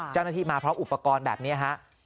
เจ้าหน้าที่มาพร้อมอุปกรณ์แบบนี้ฮะ